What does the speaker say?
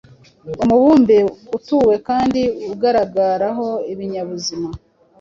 umubumbe utuwe kandi ugaragaraho ibinyabuzima